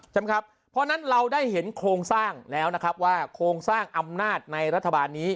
ครับเพราะฉะนั้นเราได้เห็นโครงสร้างแล้วนะครับว่าโครงสร้างอำนาจในรัฐบาลนี้